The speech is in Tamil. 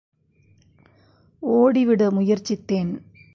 ஓடி விட முயற்சித்தேன்.